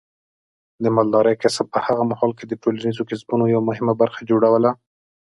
د مالدارۍ کسب په هغه مهال کې د ټولنیزو کسبونو یوه مهمه برخه جوړوله.